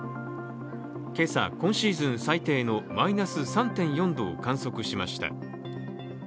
今朝、今シーズン最低のマイナス３．４度を観測しました。